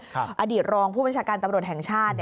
อดีตรองผู้บัญชาการตำรวจแห่งชาติ